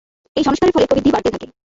এই সংস্কারের ফলে প্রবৃদ্ধি বাড়তে থাকে।